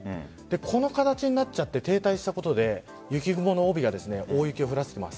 この形になって停滞したことで雪雲の帯が大雪を降らせています。